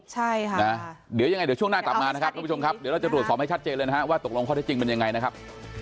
ใช่ค่ะนะเดี๋ยวยังไงเดี๋ยวช่วงหน้ากลับมานะครับทุกผู้ชมครับเดี๋ยวเราจะตรวจสอบให้ชัดเจนเลยนะฮะว่าตกลงข้อเท็จจริงเป็นยังไงนะครับ